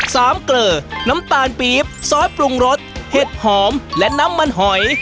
เกลอน้ำตาลปี๊บซอสปรุงรสเห็ดหอมและน้ำมันหอย